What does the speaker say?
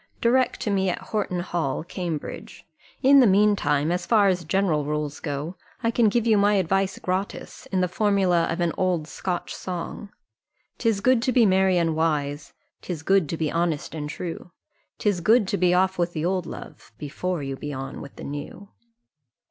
Direct to me at Horton hall, Cambridge. In the mean time, as far as general rules go, I can give you my advice gratis, in the formula of an old Scotch song "'Tis good to be merry and wise, 'Tis good to be honest and true, 'Tis good to be off with the old love Before you be on with the new.